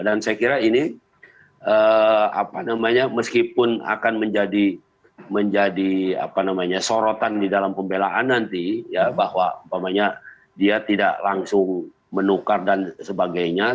dan saya kira ini apa namanya meskipun akan menjadi sorotan di dalam pembelaan nanti ya bahwa dia tidak langsung menukar dan sebagainya